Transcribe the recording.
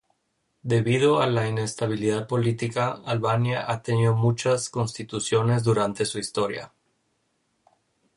Debido a la inestabilidad política, Albania ha tenido muchas constituciones durante su historia.